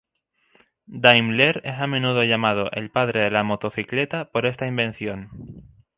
Daimler es a menudo llamado "el padre de la motocicleta" por esta invención.